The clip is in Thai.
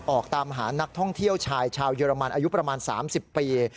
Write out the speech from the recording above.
ออกตามหานักท่องเที่ยวชายชาวเยอรมันอายุประมาณ๓๐ปี